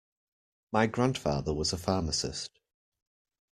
My grandfather was a pharmacist.